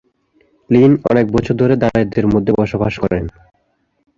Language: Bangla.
লিন অনেক বছর ধরে দারিদ্র্যের মধ্যে বসবাস করেন।